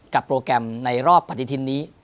โปรแกรมในรอบปฏิทินนี้